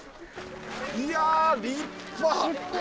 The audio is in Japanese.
いや立派！